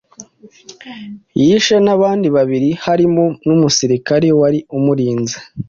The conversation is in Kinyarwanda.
yishe n’abandi babiri harimo n’umusirikare wari umurinze,